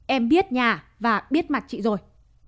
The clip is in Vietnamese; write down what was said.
em biết nhà và biết mặt chị rồi